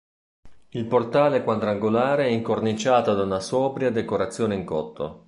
Il portale quadrangolare è incorniciato da una sobria decorazione in cotto.